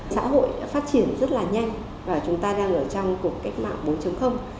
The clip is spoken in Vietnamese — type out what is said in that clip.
xã hội đã phát triển rất là nhanh và chúng ta đang ở trong cuộc cách mạng bốn